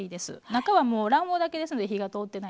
中はもう卵黄だけですので火が通ってないのは。